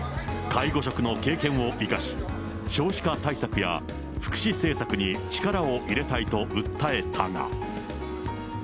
介護職の経験を生かし、少子化対策や福祉政策に力を入れたいと訴えたが。